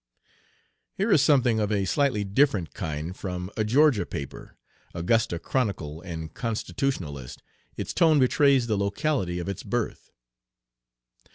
Here is something of a slightly different kind from a Georgia paper Augusta Chronicle and Constitutionalist. Its tone betrays the locality of its birth.